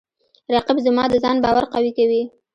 رقیب زما د ځان باور قوی کوي